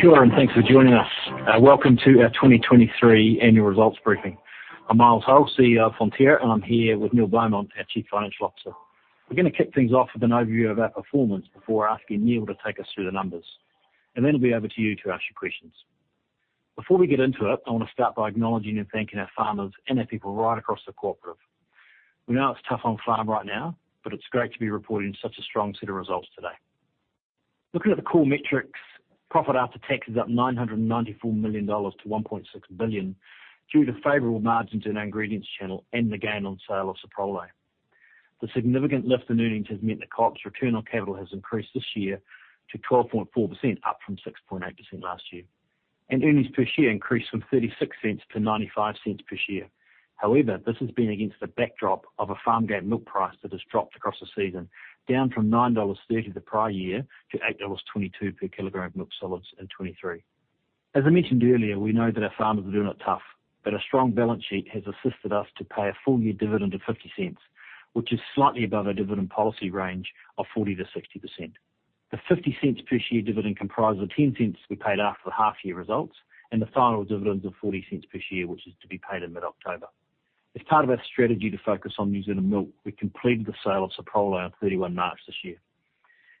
Kia ora, and thanks for joining us. Welcome to our 2023 annual results briefing. I'm Miles Hurrell, CEO of Fonterra, and I'm here with Neil Beaumont, our Chief Financial Officer. We're gonna kick things off with an overview of our performance before asking Neil to take us through the numbers, and then it'll be over to you to ask your questions. Before we get into it, I wanna start by acknowledging and thanking our farmers and our people right across the cooperative. We know it's tough on farm right now, but it's great to be reporting such a strong set of results today. Looking at the core metrics, profit after tax is up 994 million-1.6 billion dollars, due to favorable margins in our ingredients channel and the gain on sale of Soprole. The significant lift in earnings has meant the co-op's return on capital has increased this year to 12.4%, up from 6.8% last year, and earnings per share increased from 0.36-0.95 per share. However, this has been against the backdrop of a farmgate milk price that has dropped across the season, down from 9.30 dollars the prior year to 8.22 dollars per kilogram of milk solids in 2023. As I mentioned earlier, we know that our farmers are doing it tough, but a strong balance sheet has assisted us to pay a full year dividend of 0.50, which is slightly above our dividend policy range of 40%-60%. The 50 cents per share dividend comprises of 10 cents to be paid after the half year results, and the final dividends of 40 cents per share, which is to be paid in mid-October. As part of our strategy to focus on New Zealand milk, we completed the sale of Soprole on 31 March this year.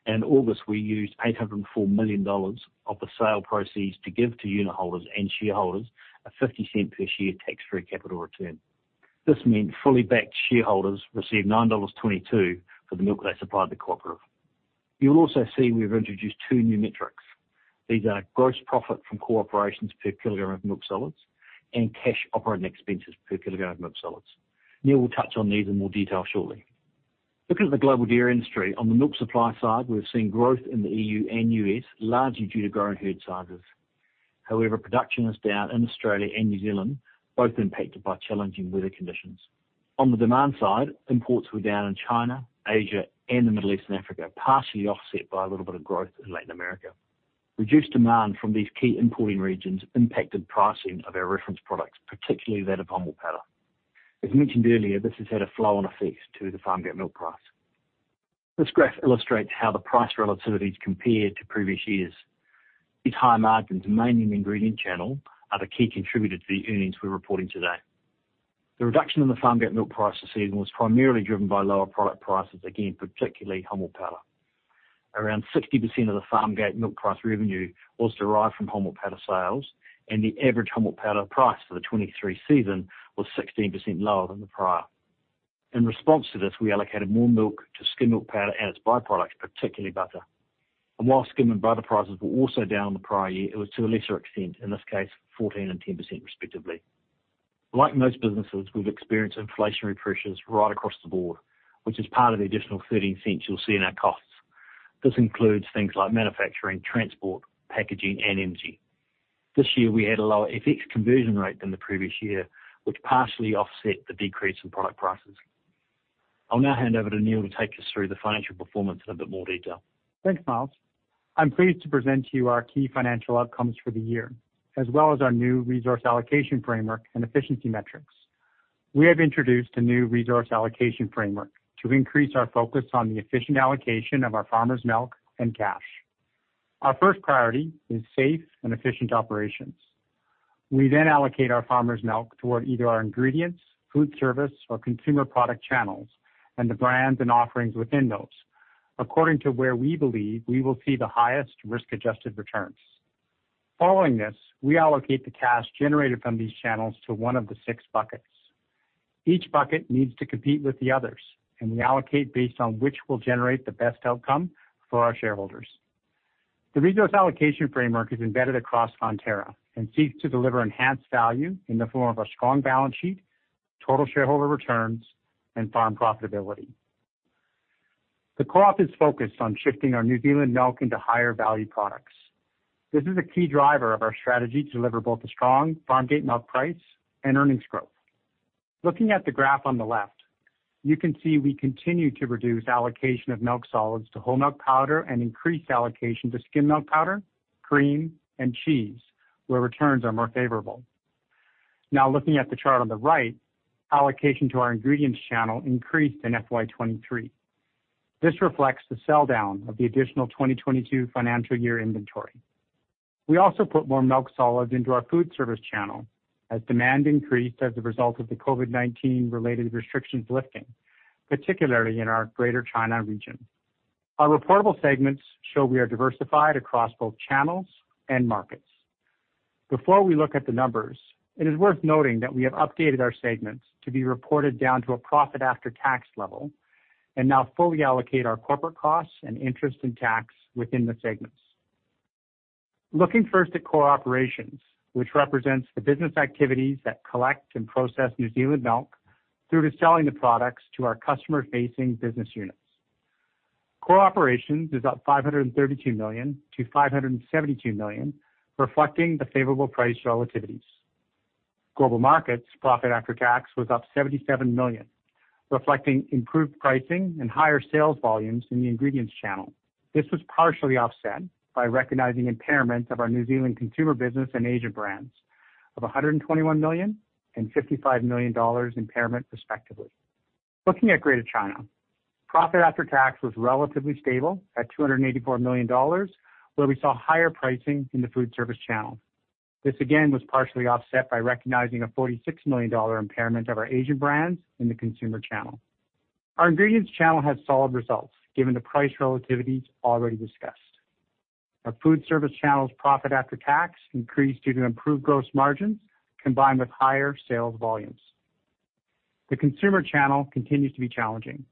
In August, we used 804 million dollars of the sale proceeds to give to unit holders and shareholders a 50 cent per share tax-free capital return. This meant fully backed shareholders received 9.22 dollars for the milk they supplied the cooperative. You'll also see we've introduced two new metrics. These are gross profit from core operations per kilogram of milk solids and cash operating expenses per kilogram of milk solids. Neil will touch on these in more detail shortly. Looking at the global dairy industry, on the milk supply side, we've seen growth in the EU and US, largely due to growing herd sizes. However, production is down in Australia and New Zealand, both impacted by challenging weather conditions. On the demand side, imports were down in China, Asia, and the Middle East and Africa, partially offset by a little bit of growth in Latin America. Reduced demand from these key importing regions impacted pricing of our reference products, particularly that of whole milk powder. As mentioned earlier, this has had a flow-on effect to the farmgate milk price. This graph illustrates how the price relativity is compared to previous years. These high margins, mainly in the ingredient channel, are the key contributor to the earnings we're reporting today. The reduction in the farmgate milk price this season was primarily driven by lower product prices, again, particularly whole milk powder. Around 60% of the farmgate milk price revenue was derived from whole milk powder sales, and the average whole milk powder price for the 2023 season was 16% lower than the prior. In response to this, we allocated more milk to skim milk powder and its byproducts, particularly butter. And while skim and butter prices were also down in the prior year, it was to a lesser extent, in this case, 14% and 10% respectively. Like most businesses, we've experienced inflationary pressures right across the board, which is part of the additional 0.13 you'll see in our costs. This includes things like manufacturing, transport, packaging, and energy. This year, we had a lower FX conversion rate than the previous year, which partially offset the decrease in product prices. I'll now hand over to Neil to take us through the financial performance in a bit more detail. Thanks, Miles. I'm pleased to present to you our key financial outcomes for the year, as well as our new resource allocation framework and efficiency metrics. We have introduced a new resource allocation framework to increase our focus on the efficient allocation of our farmers' milk and cash. Our first priority is safe and efficient operations. We then allocate our farmers' milk toward either our ingredients, food service or consumer product channels, and the brands and offerings within those, according to where we believe we will see the highest risk-adjusted returns. Following this, we allocate the cash generated from these channels to one of the six buckets. Each bucket needs to compete with the others, and we allocate based on which will generate the best outcome for our shareholders. The resource allocation framework is embedded across Fonterra and seeks to deliver enhanced value in the form of a strong balance sheet, total shareholder returns, and farm profitability. The co-op is focused on shifting our New Zealand milk into higher value products. This is a key driver of our strategy to deliver both a strong farmgate milk price and earnings growth. Looking at the graph on the left, you can see we continue to reduce allocation of milk solids to whole milk powder and increase allocation to skim milk powder, cream, and cheese, where returns are more favorable. Now, looking at the chart on the right, allocation to our ingredients channel increased in FY 2023. This reflects the sell-down of the additional 2022 financial year inventory. We also put more milk solids into our food service channel as demand increased as a result of the COVID-19 related restrictions lifting, particularly in our Greater China region. Our reportable segments show we are diversified across both channels and markets. Before we look at the numbers, it is worth noting that we have updated our segments to be reported down to a profit after tax level, and now fully allocate our corporate costs and interest in tax within the segments. Looking first at core operations, which represents the business activities that collect and process New Zealand milk through to selling the products to our customer-facing business units. Core operations is up 532 million-572 million, reflecting the favorable price relativities. Global markets profit after tax was up 77 million, reflecting improved pricing and higher sales volumes in the ingredients channel. This was partially offset by recognizing impairment of our New Zealand consumer business and Asia brands of 121 million and 55 million dollars impairment, respectively. Looking at Greater China, profit after tax was relatively stable at 284 million dollars, where we saw higher pricing in the food service channel. This again, was partially offset by recognizing a 46 million dollar impairment of our Asian brands in the consumer channel. Our ingredients channel had solid results, given the price relativities already discussed. Our food service channel's profit after tax increased due to improved gross margins, combined with higher sales volumes. The consumer channel continues to be challenging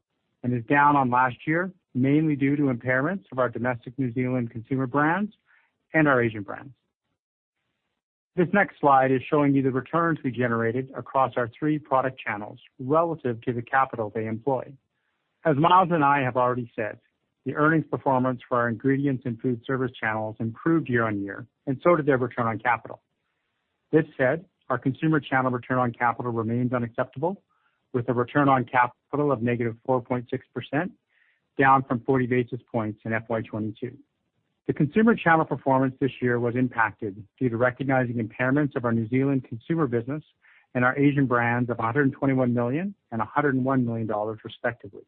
and is down on last year, mainly due to impairments of our domestic New Zealand consumer brands and our Asian brands. This next slide is showing you the returns we generated across our three product channels relative to the capital they employ. As Miles and I have already said, the earnings performance for our ingredients and food service channels improved year-on-year, and so did their return on capital. This said, our consumer channel return on capital remains unacceptable, with a return on capital of -4.6%, down from 40 basis points in FY 2022. The consumer channel performance this year was impacted due to recognizing impairments of our New Zealand consumer business and our Asian brands of 121 million and 101 million dollars, respectively.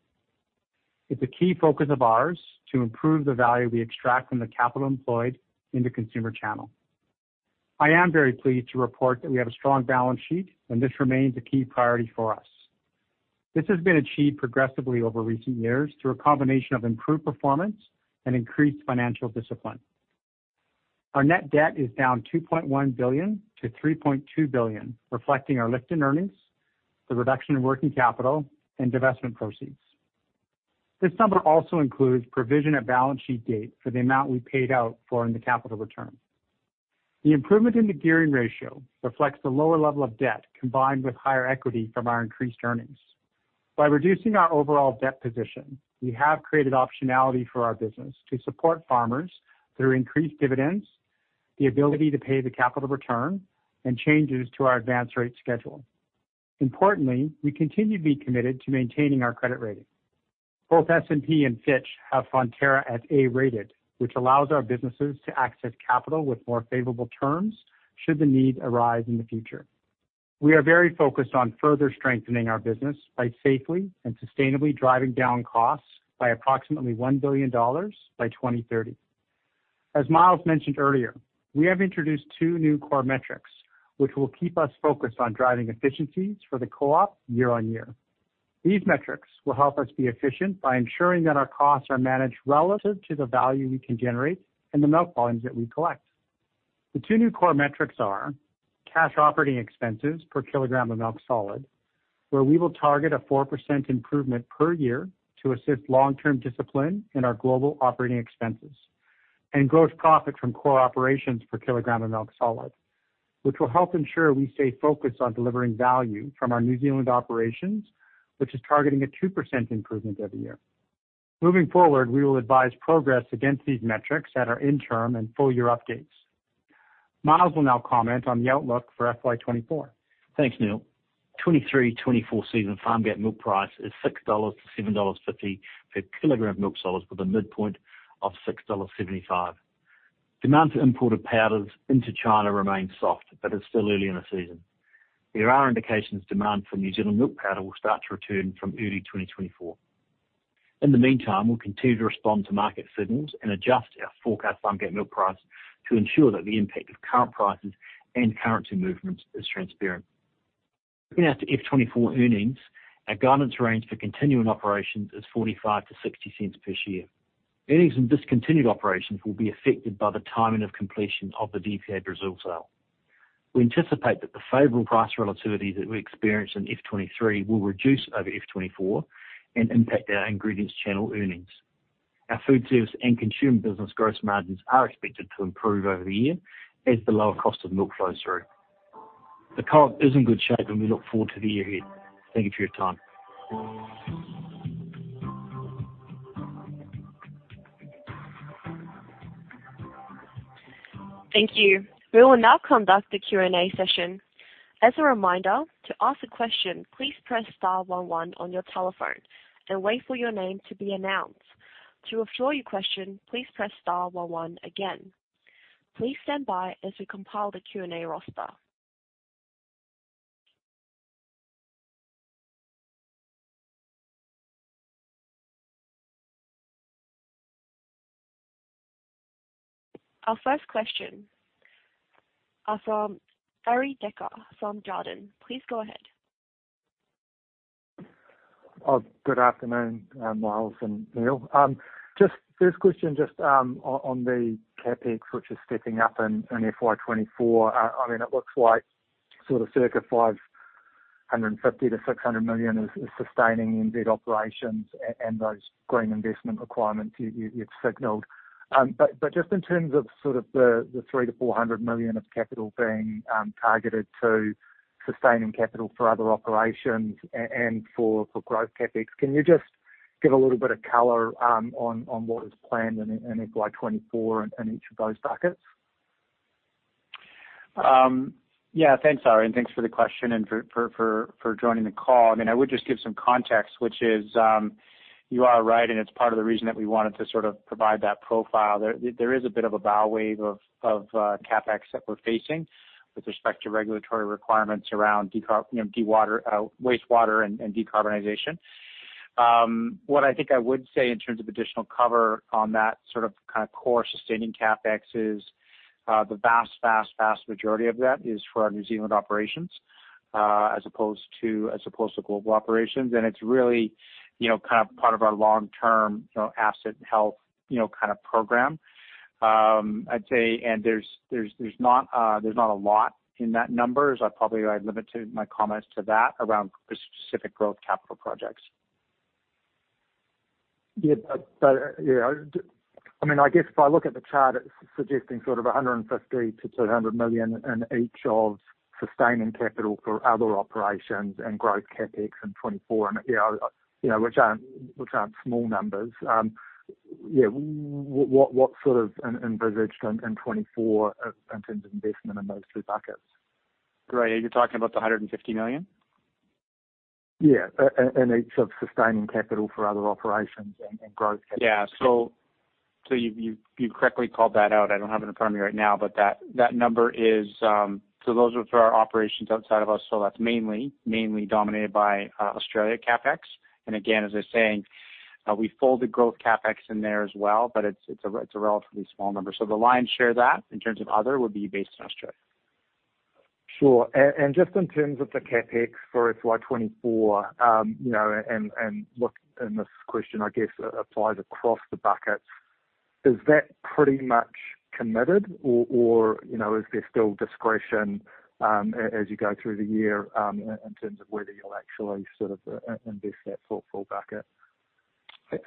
It's a key focus of ours to improve the value we extract from the capital employed in the consumer channel. I am very pleased to report that we have a strong balance sheet, and this remains a key priority for us. This has been achieved progressively over recent years through a combination of improved performance and increased financial discipline. Our net debt is down 2.1 billion-3.2 billion, reflecting our lift in earnings, the reduction in working capital, and divestment proceeds. This number also includes provision at balance sheet date for the amount we paid out for in the Capital Return. The improvement in the gearing ratio reflects the lower level of debt, combined with higher equity from our increased earnings. By reducing our overall debt position, we have created optionality for our business to support farmers through increased dividends, the ability to pay the Capital Return, and changes to our Advance Rate schedule. Importantly, we continue to be committed to maintaining our credit rating. Both S&P and Fitch have Fonterra at A-rated, which allows our businesses to access capital with more favorable terms should the need arise in the future. We are very focused on further strengthening our business by safely and sustainably driving down costs by approximately 1 billion dollars by 2030. As Miles mentioned earlier, we have introduced two new core metrics, which will keep us focused on driving efficiencies for the co-op year-on-year. These metrics will help us be efficient by ensuring that our costs are managed relative to the value we can generate and the milk volumes that we collect. The two new core metrics are cash operating expenses per kilogram of milk solids, where we will target a 4% improvement per year to assist long-term discipline in our global operating expenses, and gross profit from core operations per kilogram of milk solids, which will help ensure we stay focused on delivering value from our New Zealand operations, which is targeting a 2% improvement every year. Moving forward, we will advise progress against these metrics at our interim and full year updates. Miles will now comment on the outlook for FY 2024. Thanks, Neil. 2023-2024 season farmgate milk price is 6.00-7.50 dollars per kilogram of milk solids, with a midpoint of 6.75 dollars. Demand for imported powders into China remains soft, but it's still early in the season. There are indications demand for New Zealand milk powder will start to return from early 2024. In the meantime, we'll continue to respond to market signals and adjust our forecast farmgate milk price to ensure that the impact of current prices and currency movements is transparent. Looking out to FY 2024 earnings, our guidance range for continuing operations is 0.45-0.60 per share. Earnings in discontinued operations will be affected by the timing of completion of the DPA Brazil sale. We anticipate that the favorable price relativity that we experienced in FY 2023 will reduce over FY 2024 and impact our ingredients channel earnings. Our food service and consumer business gross margins are expected to improve over the year as the lower cost of milk flows through. The co-op is in good shape, and we look forward to the year ahead. Thank you for your time. Thank you. We will now conduct the Q&A session. As a reminder, to ask a question, please press star one one on your telephone and wait for your name to be announced. To withdraw your question, please press star one one again. Please stand by as we compile the Q&A roster. Our first question are from Arie Dekker from Jarden. Please go ahead. Good afternoon, Miles and Neil. Just first question, just on the CapEx, which is stepping up in FY 2024. I mean, it looks like sort of circa 550 million-600 million is sustaining operations and those green investment requirements you've signaled. But just in terms of the 300 million-400 million of capital being targeted to sustaining capital for other operations and for growth CapEx, can you just give a little bit of color on what is planned in FY 2024 in each of those buckets? Yeah, thanks, Ari, and thanks for the question and for joining the call. I mean, I would just give some context, which is, you are right, and it's part of the reason that we wanted to sort of provide that profile. There is a bit of a bow wave of CapEx that we're facing with respect to regulatory requirements around decarb, you know, dewater, wastewater and decarbonization. What I think I would say in terms of additional cover on that sort of, kind of, core sustaining CapEx is, the vast, vast, vast majority of that is for our New Zealand operations, as opposed to global operations. It's really, you know, kind of part of our long-term, you know, asset health, you know, kind of program. I'd say, and there's not a lot in that number, so I'd limit my comments to that around the specific growth capital projects. Yeah. Yeah, I mean, I guess if I look at the chart, it's suggesting sort of 150 million-200 million in each of sustaining capital for other operations and growth CapEx in 2024, and, you know, which aren't small numbers. Yeah. What, what's sort of envisaged in 2024 in terms of investment in those two buckets? Great. Are you talking about the 150 million? Yeah. And each of sustaining capital for other operations and growth CapEx. Yeah. So you've correctly called that out. I don't have it in front of me right now, but that number is so those are for our operations outside of U.S. So that's mainly dominated by Australia CapEx. And again, as I was saying, we fold the growth CapEx in there as well, but it's a relatively small number. So the lion's share that in terms of other would be based in Australia. Sure. Just in terms of the CapEx for FY 2024, you know, look, this question, I guess, applies across the buckets: Is that pretty much committed or, you know, is there still discretion as you go through the year in terms of whether you'll actually sort of invest that full, full bucket?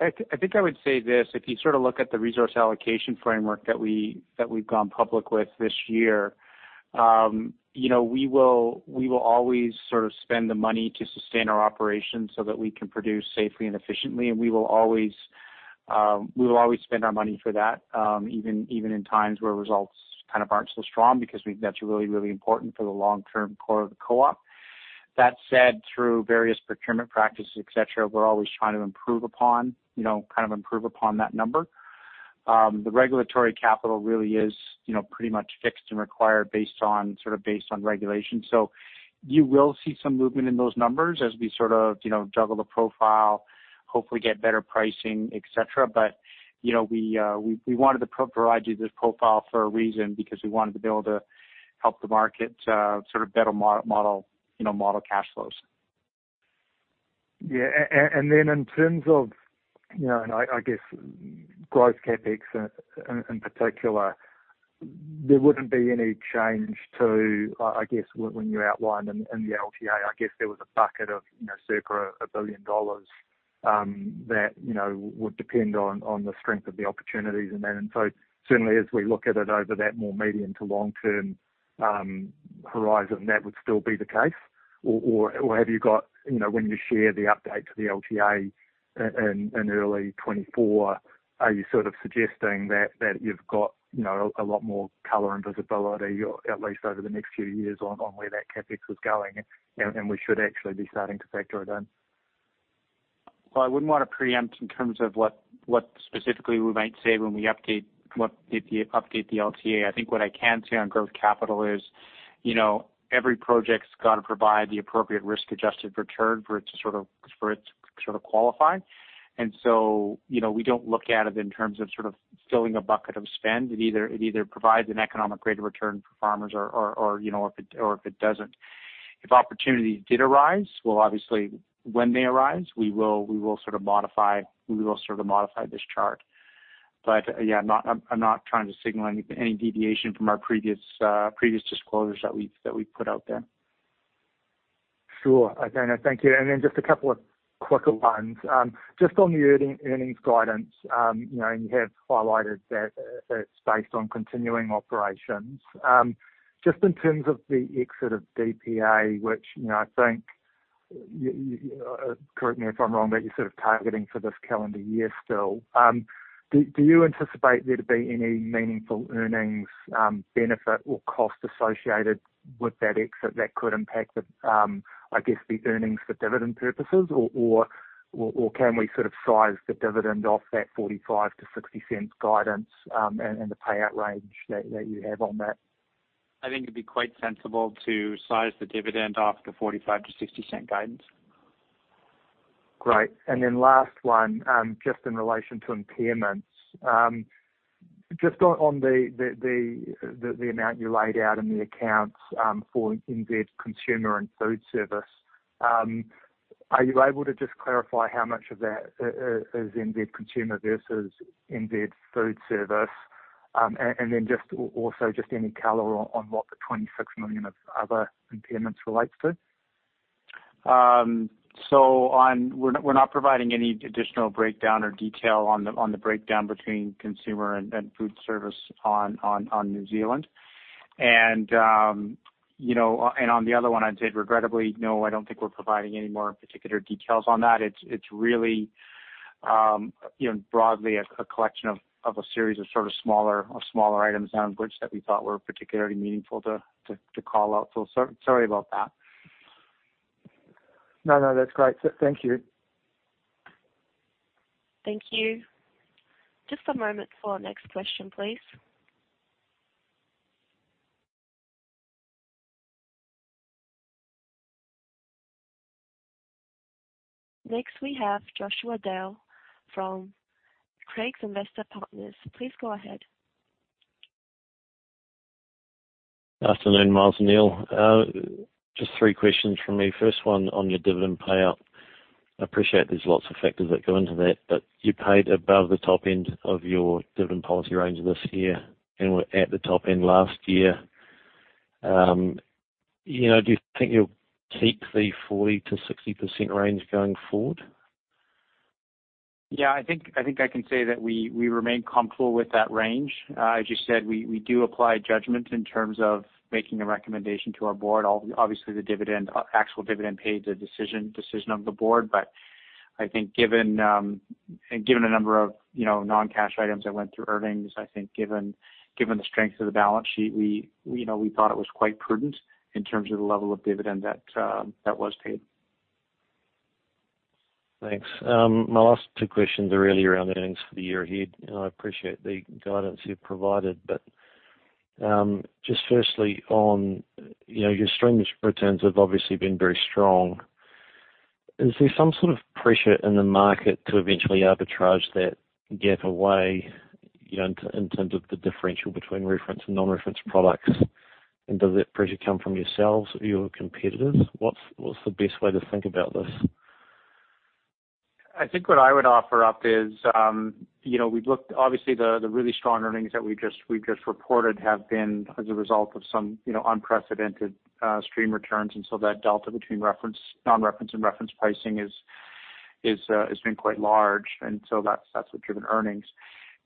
I think I would say this: If you sort of look at the resource allocation framework that we've gone public with this year, you know, we will always sort of spend the money to sustain our operations so that we can produce safely and efficiently. And we will always spend our money for that, even in times where results kind of aren't so strong, because that's really, really important for the long-term core of the co-op. That said, through various procurement practices, et cetera, we're always trying to improve upon, you know, kind of improve upon that number. The regulatory capital really is, you know, pretty much fixed and required based on, sort of, based on regulation. So you will see some movement in those numbers as we sort of, you know, juggle the profile, hopefully get better pricing, et cetera. But, you know, we, we wanted to provide you this profile for a reason, because we wanted to be able to help the market sort of better model, you know, model cash flows. Yeah. And then in terms of, you know, I guess growth CapEx, in particular, there wouldn't be any change to... I guess when you outlined in the LTA, I guess there was a bucket of, you know, 1 billion dollars, that, you know, would depend on the strength of the opportunities and that. Certainly as we look at it over that more medium to long-term horizon, that would still be the case? Or have you got, you know, when you share the update to the LTA in early 2024, are you sort of suggesting that you've got, you know, a lot more color and visibility, or at least over the next few years, on where that CapEx is going, and we should actually be starting to factor it in? Well, I wouldn't want to preempt in terms of what, what specifically we might say when we update, what, update the LTA. I think what I can say on growth capital is, you know, every project's got to provide the appropriate risk-adjusted return for it to sort of, for it to sort of qualify. And so, you know, we don't look at it in terms of sort of filling a bucket of spend. It either, it either provides an economic rate of return for farmers or, or, or, you know, if it, or if it doesn't. If opportunities did arise, well, obviously, when they arise, we will, we will sort of modify, we will sort of modify this chart. But yeah, I'm not, I'm not trying to signal any, any deviation from our previous, previous disclosures that we, that we put out there. Sure. Okay, now, thank you. And then just a couple of quicker ones. Just on the earnings guidance, you know, and you have highlighted that, it's based on continuing operations. Just in terms of the exit of DPA, which, you know, I think, you correct me if I'm wrong, but you're sort of targeting for this calendar year still. Do you anticipate there to be any meaningful earnings benefit or cost associated with that exit that could impact the, I guess, the earnings for dividend purposes? Or can we sort of size the dividend off that 0.45-0.60 guidance, and the payout range that you have on that? I think it'd be quite sensible to size the dividend off the 0.45-0.60 guidance. Great. And then last one, just in relation to impairments. Just on the amount you laid out in the accounts, for in the consumer and food service, are you able to just clarify how much of that is in the consumer versus in the food service? And then also just any color on what the 26 million of other impairments relates to. We're not, we're not providing any additional breakdown or detail on the breakdown between consumer and food service on New Zealand. You know, and on the other one, I did regrettably—no, I don't think we're providing any more particular details on that. It's really, you know, broadly a collection of a series of sort of smaller items on which that we thought were particularly meaningful to call out. So sorry about that. No, no, that's great. Thank you.... Thank you. Just a moment for our next question, please. Next, we have Joshua Dale from Craigs Investment Partners. Please go ahead. Afternoon, Miles and Neil. Just three questions from me. First one, on your dividend payout. I appreciate there's lots of factors that go into that, but you paid above the top end of your dividend policy range this year and were at the top end last year. You know, do you think you'll keep the 40%-60% range going forward? Yeah, I think I can say that we remain comfortable with that range. As you said, we do apply judgment in terms of making a recommendation to our board. Obviously, the actual dividend paid is a decision of the board. I think given a number of, you know, non-cash items that went through earnings, I think given the strength of the balance sheet, we thought it was quite prudent in terms of the level of dividend that was paid. Thanks. My last two questions are really around the earnings for the year ahead, and I appreciate the guidance you've provided. But, just firstly, on, you know, your stream returns have obviously been very strong. Is there some sort of pressure in the market to eventually arbitrage that gap away, you know, in terms of the differential between reference and non-reference products? And does that pressure come from yourselves or your competitors? What's the best way to think about this? I think what I would offer up is, you know, we've looked... Obviously, the really strong earnings that we just, we've just reported have been as a result of some, you know, unprecedented stream returns. And so that delta between reference, non-reference, and reference pricing is, has been quite large, and so that's what driven earnings.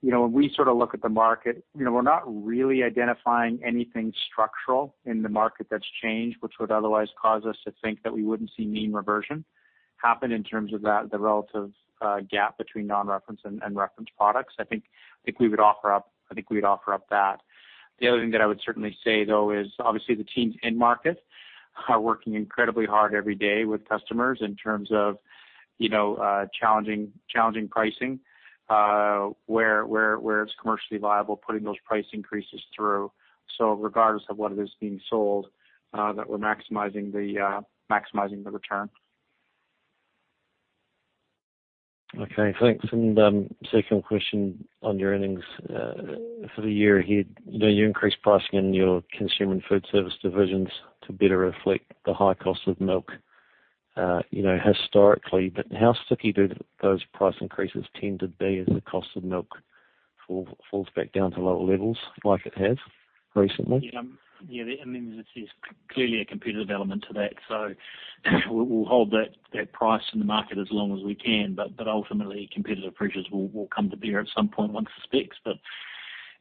You know, when we sort of look at the market, you know, we're not really identifying anything structural in the market that's changed, which would otherwise cause us to think that we wouldn't see mean reversion happen in terms of that, the relative gap between non-reference and reference products. I think we would offer up, I think we'd offer up that. The other thing that I would certainly say, though, is obviously the teams in-market are working incredibly hard every day with customers in terms of, you know, challenging pricing where it's commercially viable, putting those price increases through. So regardless of what is being sold, that we're maximizing the return. Okay, thanks. Second question on your earnings for the year ahead. You know, you increased pricing in your consumer and food service divisions to better reflect the high cost of milk, you know, historically, but how sticky do those price increases tend to be as the cost of milk falls back down to lower levels, like it has recently? Yeah, yeah, and then there's clearly a competitive element to that. So we'll hold that price in the market as long as we can, but ultimately, competitive pressures will come to bear at some point, one suspects. But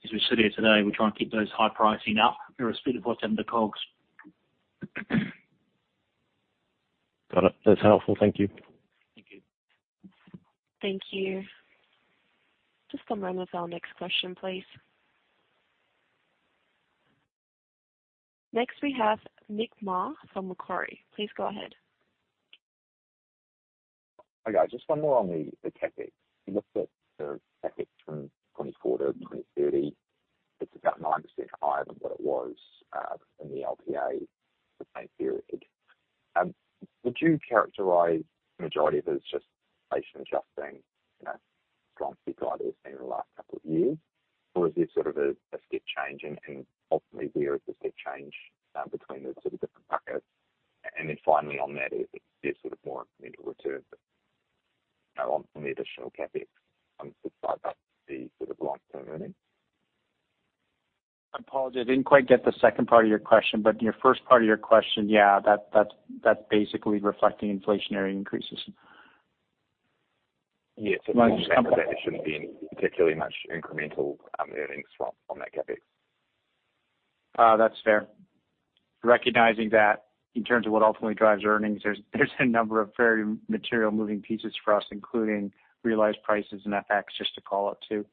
as we sit here today, we try and keep those high pricing up, irrespective of what's in the COGS. Got it. That's helpful. Thank you. Thank you. Thank you. Just one moment for our next question, please. Next, we have Nick Mar from Macquarie. Please go ahead. Hi, guys, just one more on the CapEx. You looked at the CapEx from 2024 to 2030. It's about 9% higher than what it was in the LTA for the same period. Would you characterize the majority of it as just inflation adjusting, you know, strong guide that we've seen in the last couple of years? Or is this sort of a step change and ultimately where is the step change between the sort of different buckets? And then finally on that, is there sort of more incremental return on the additional CapEx on the side of the sort of long-term earnings? I apologize. I didn't quite get the second part of your question, but your first part of your question, yeah, that, that, that's basically reflecting inflationary increases. Yeah, so- Like- There shouldn't be particularly much incremental earnings from, on that CapEx. That's fair. Recognizing that in terms of what ultimately drives earnings, there's a number of very material moving pieces for us, including realized prices and FX, just to call out two.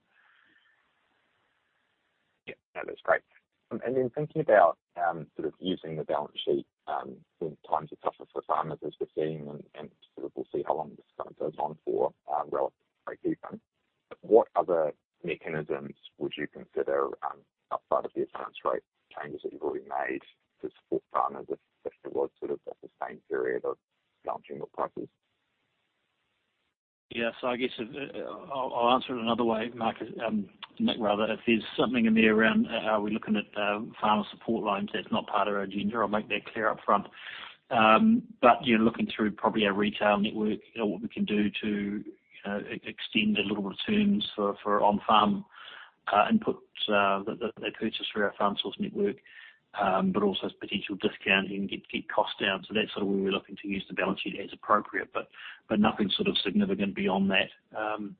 Yeah, that is great. And then thinking about, sort of using the balance sheet, when times are tougher for farmers, as we're seeing, and sort of we'll see how long this kind of goes on for, relative breakeven. What other mechanisms would you consider, outside of the Advance Rate changes that you've already made to support farmers, if there was sort of a sustained period of challenging milk prices? Yeah. So I guess I'll answer it another way, Mark, Nick, rather. If there's something in there around we're looking at farmer support lines, that's not part of our agenda. I'll make that clear up front. But you're looking through probably our retail network and what we can do to extend the little returns for on-farm inputs that purchase through our Farm Source network, but also potential discount and get costs down. So that's sort of where we're looking to use the balance sheet as appropriate, but nothing sort of significant beyond that.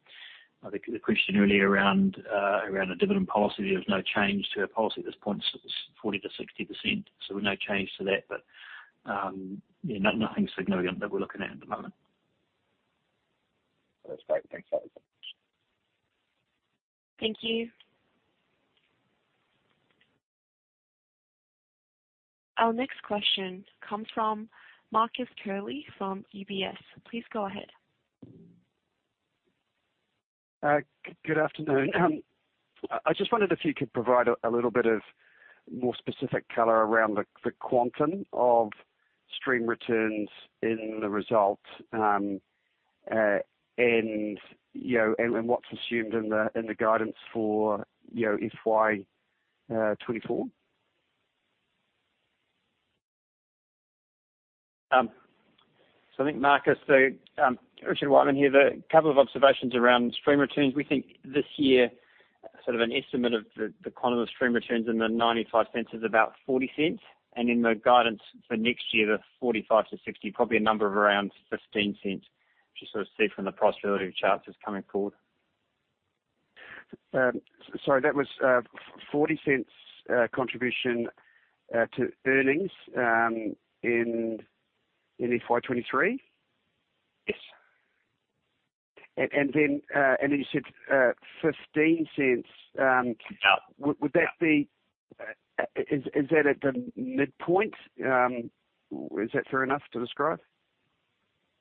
I think the question earlier around a dividend policy, there's no change to our policy at this point. It's 40%-60%, so no change to that, but yeah, nothing significant that we're looking at at the moment. That's great. Thanks a lot. Thank you. Our next question comes from Marcus Curley from UBS. Please go ahead. Good afternoon. I just wondered if you could provide a little bit more specific color around the quantum of stream returns in the results, and, you know, and what's assumed in the guidance for, you know, FY 2024? I think, Marcus, Richard Allen here, there are a couple of observations around stream returns. We think this year, sort of an estimate of the quantum of stream returns in the $0.95 is about $0.40, and in the guidance for next year, the $0.45-$0.60, probably a number of around $0.15, which you sort of see from the price relative charts is coming forward. Sorry, that was 0.40 contribution to earnings in FY 2023? Yes. And then you said 15 cents. Yeah. Would that be... is that at the midpoint? Is that fair enough to describe?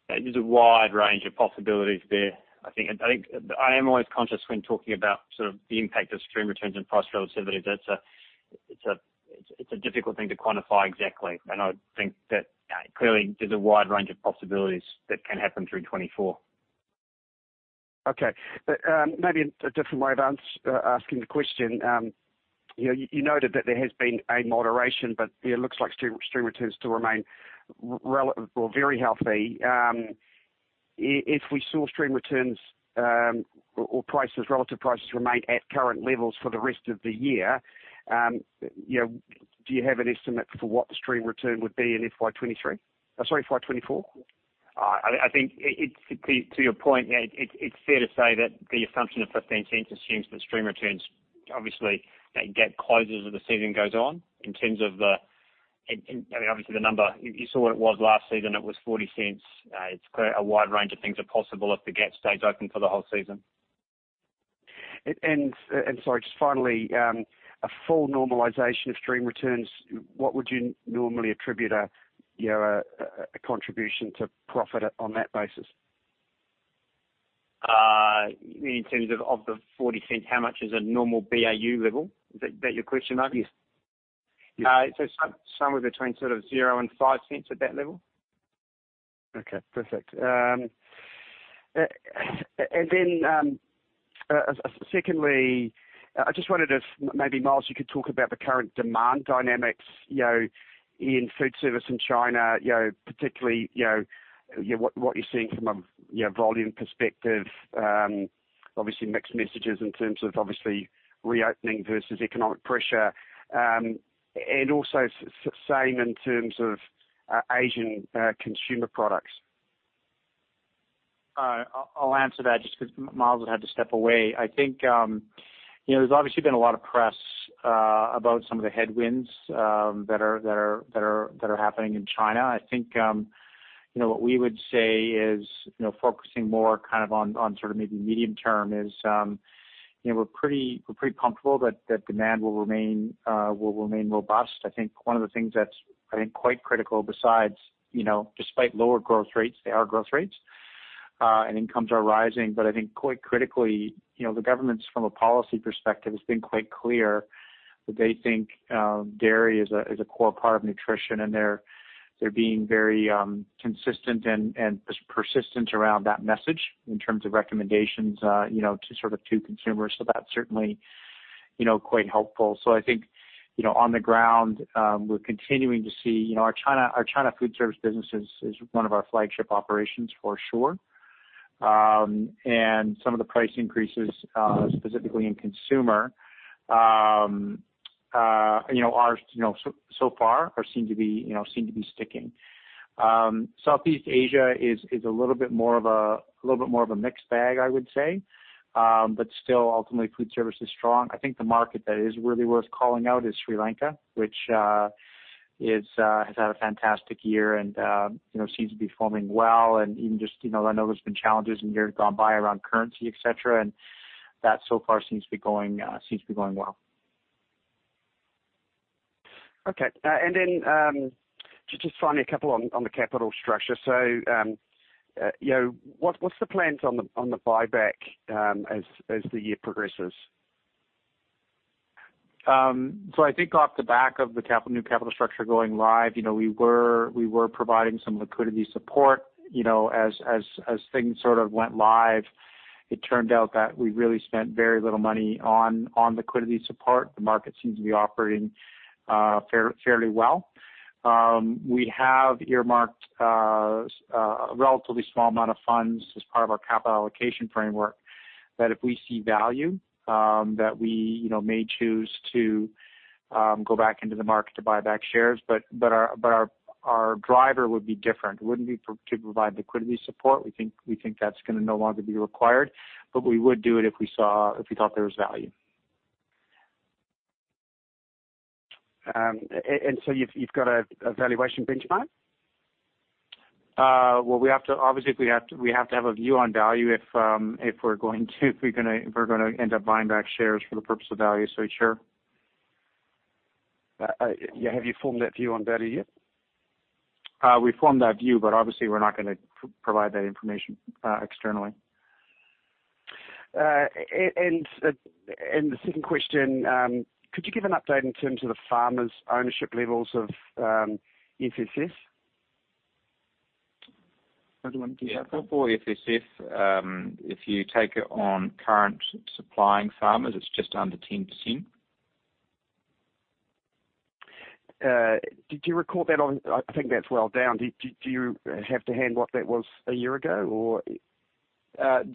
There's a wide range of possibilities there. I think I am always conscious when talking about sort of the impact of stream returns and price relativity. That's a, it's a difficult thing to quantify exactly, and I think that clearly there's a wide range of possibilities that can happen through 2024. Okay. But maybe a different way of asking the question, you know, you noted that there has been a moderation, but it looks like stream returns still remain very healthy. If we saw stream returns, or prices, relative prices remain at current levels for the rest of the year, you know, do you have an estimate for what the stream return would be in FY 2023? Sorry, FY 2024. I think it's, to your point, yeah, it's fair to say that the assumption of 15 cents assumes that stream returns, obviously, that gap closes as the season goes on, in terms of the... I mean, obviously the number, you saw what it was last season, it was 40 cents. It's clear a wide range of things are possible if the gap stays open for the whole season. Sorry, just finally, a full normalization of stream returns, what would you normally attribute, you know, a contribution to profit on that basis? In terms of the 0.40, how much is a normal BAU level? Is that your question, Mark? Yes. So, somewhere between sort of 0.00 and 0.05 at that level. Okay, perfect. And then, secondly, I just wondered if maybe, Miles, you could talk about the current demand dynamics, you know, in food service in China, you know, particularly, you know, what, what you're seeing from a, you know, volume perspective. Obviously mixed messages in terms of obviously reopening versus economic pressure, and also same in terms of, Asian, consumer products. I'll answer that just because Miles had to step away. I think, you know, there's obviously been a lot of press about some of the headwinds that are happening in China. I think, you know, what we would say is, you know, focusing more kind of on sort of maybe medium term is, you know, we're pretty comfortable that demand will remain robust. I think one of the things that's, I think, quite critical besides, you know, despite lower growth rates, they are growth rates, and incomes are rising. I think quite critically, you know, the government's from a policy perspective, has been quite clear that they think dairy is a core part of nutrition, and they're being very consistent and persistent around that message in terms of recommendations, you know, to sort of to consumers. That's certainly, you know, quite helpful. I think, you know, on the ground, we're continuing to see... You know, our China food service business is one of our flagship operations for sure. Some of the price increases, specifically in consumer, you know, so far, seem to be, you know, seem to be sticking. Southeast Asia is a little bit more of a mixed bag, I would say, but still ultimately food service is strong. I think the market that is really worth calling out is Sri Lanka, which has had a fantastic year and, you know, seems to be forming well and even just, you know, I know there's been challenges in years gone by around currency, et cetera, and that so far seems to be going well. Okay, and then, just finally a couple on the capital structure. So, you know, what's the plans on the buyback as the year progresses? So I think off the back of the capital, new capital structure going live, you know, we were providing some liquidity support, you know, as things sort of went live, it turned out that we really spent very little money on liquidity support. The market seems to be operating fairly well. We have earmarked a relatively small amount of funds as part of our capital allocation framework, that if we see value, that we, you know, may choose to go back into the market to buy back shares, but our driver would be different, wouldn't be to provide liquidity support. We think that's gonna no longer be required, but we would do it if we thought there was value. And so you've got a valuation benchmark? Well, we have to, obviously, have a view on value if we're going to end up buying back shares for the purpose of value, so sure. Yeah. Have you formed that view on value yet? We formed that view, but obviously we're not gonna provide that information externally. And the second question, could you give an update in terms of the farmers' ownership levels of FSF? Do you want to- Yeah, for FSF, if you take it on current supplying farmers, it's just under 10%. Did you record that on? I think that's well down. Do you have to hand what that was a year ago or?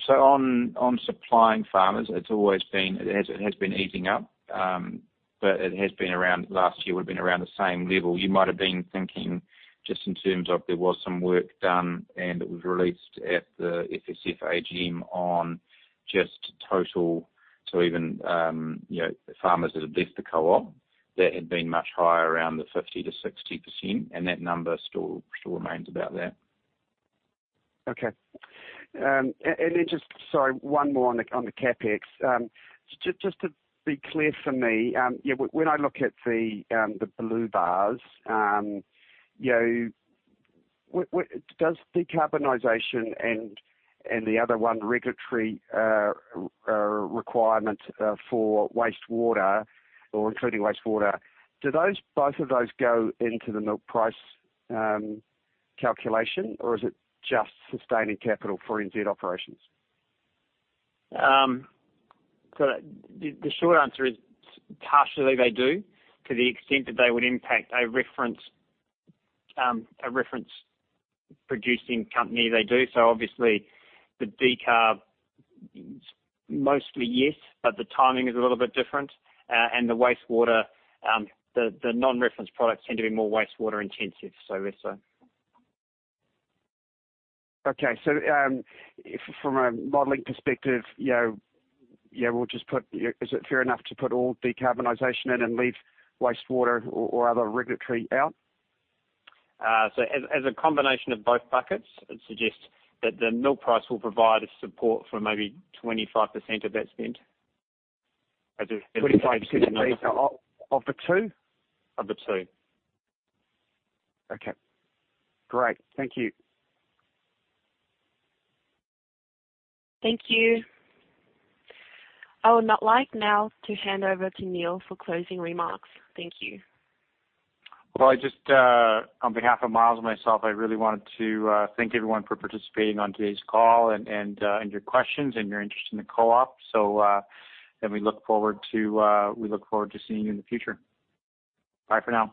So on supplying farmers, it's always been. It has been easing up, but it has been around. Last year would've been around the same level. You might have been thinking just in terms of there was some work done, and it was released at the FSF AGM on just total to even, you know, farmers that have left the co-op, that had been much higher, around the 50%-60%, and that number still remains about that. Okay. Just to be clear for me, yeah, when I look at the blue bars, you know, what does decarbonization and the other one, regulatory requirement for wastewater or including wastewater, do those, both of those go into the milk price calculation, or is it just sustaining capital for NZ operations? So the short answer is partially they do. To the extent that they would impact a reference, a reference-producing company, they do. So obviously, the decarb, mostly, yes, but the timing is a little bit different. And the wastewater, the non-reference products tend to be more wastewater intensive, so yes, sir. Okay. So, from a modeling perspective, you know, yeah, we'll just put... Is it fair enough to put all decarbonization in and leave wastewater or, or other regulatory out? So as a combination of both buckets, I'd suggest that the milk price will provide a support for maybe 25% of that spend. As a- 25 of the 2? Of the two. Okay, great. Thank you. Thank you. I would like now to hand over to Neil for closing remarks. Thank you. Well, I just, on behalf of Miles and myself, I really wanted to thank everyone for participating on today's call and your questions and your interest in the co-op. So, we look forward to seeing you in the future. Bye for now.